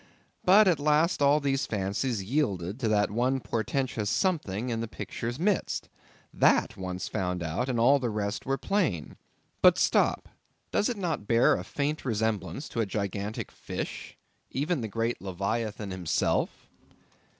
But at last all these fancies yielded to that one portentous something in the picture's midst. That once found out, and all the rest were plain. But stop; does it not bear a faint resemblance to a gigantic fish? even the great leviathan himself?